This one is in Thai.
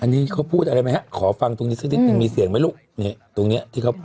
ถ้าพนันเราได้ยุ่งเสียบ้างคุณเบนส์ค่ะ